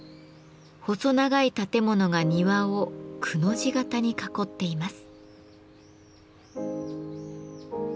細長い建物が庭を「く」の字型に囲っています。